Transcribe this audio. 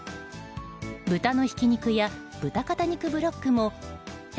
豚のひき肉や、豚肩肉ブロックも１００ｇ